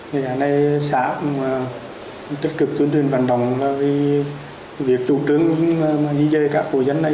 người dân ở đây xã cũng tích cực tuyên truyền vận động về việc chủ trương di dời các hội dân này